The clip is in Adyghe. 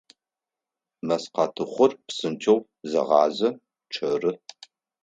Мэзкъатыхъур псынкӏэу зегъазэ, чъэры.